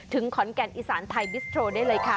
ขอนแก่นอีสานไทยบิสโทรได้เลยค่ะ